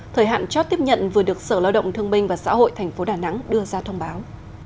thời hạn chót tiếp nhận vừa được sở lao động thương minh và xã hội thành phố đà nẵng đưa ra thông báo